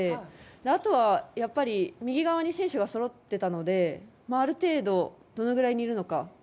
あとは右側に選手がそろっていたのである程度どのくらいにいるのか。